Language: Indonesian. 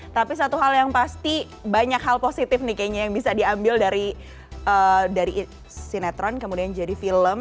tapi satu hal yang pasti banyak hal positif nih kayaknya yang bisa diambil dari sinetron kemudian jadi film